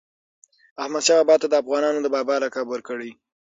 احمدشاه بابا ته افغانانو د "بابا" لقب ورکړی.